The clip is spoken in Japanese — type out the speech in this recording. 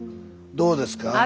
どうですか？